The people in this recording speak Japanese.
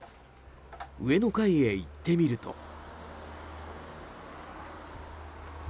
上の階へ行ってみると。